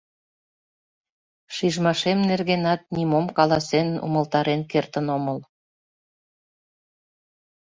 Шижмашем нергенат нимом каласен-умылтарен кертын омыл.